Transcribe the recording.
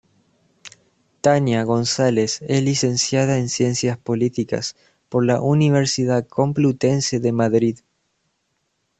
Tania González es licenciada en ciencias políticas por la Universidad Complutense de Madrid.